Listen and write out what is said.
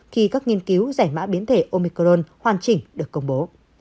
khi các nghiên cứu giải mã biến thể omicron hoàn chỉnh được công bố